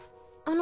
あ？